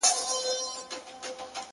• دوهم ځل او دريم ځل يې په هوا كړ,